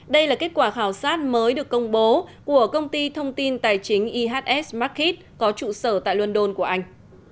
đây là kết quả khảo sát mới được công bố của công ty thông tin tài chính ihs market có trụ sở tại london của anh